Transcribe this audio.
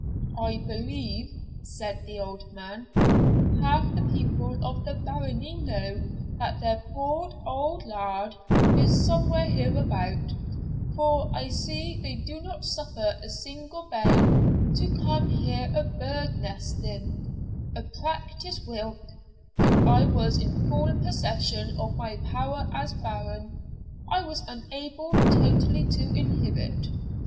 'I believe,' said the old man, 'half the people of the barony know that their poor auld laird is somewhere hereabout; for I see they do not suffer a single bairn to come here a bird nesting; a practice whilk, when I was in full possession of my power as baron, I was unable totally to inhibit.